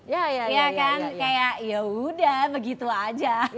ya kan kayak yaudah begitu aja